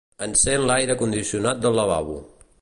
Encén l'aire condicionat del lavabo.